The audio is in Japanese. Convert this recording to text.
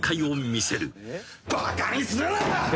「バカにするな！」